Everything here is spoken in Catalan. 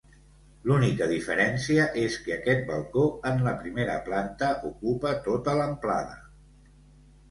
L'única diferència és que aquest balcó, en la primera planta ocupa tota l'amplada.